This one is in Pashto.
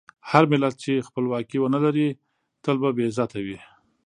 هر ملت چې خپلواکي ونه لري، تل به بې عزته وي.